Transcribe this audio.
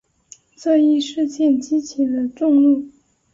这一事件激起了众怒。